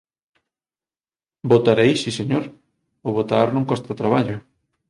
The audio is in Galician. Votarei si señor, o votar non costa traballo.